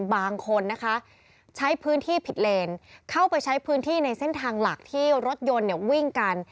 บางคนนะคะใช้พื้นที่ผิดเลนเข้าไปใช้พื้นที่ในเส้นทางหลักที่รถยนต์เนี่ยวิ่งกัน